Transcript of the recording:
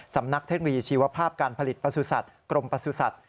เทคโนโลยีชีวภาพการผลิตประสุทธิ์กรมประสุทธิ์